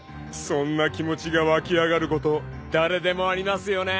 ［そんな気持ちが湧き上がること誰でもありますよね］